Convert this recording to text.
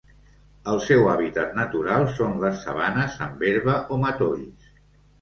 El seu hàbitat natural són les sabanes amb herba o matolls.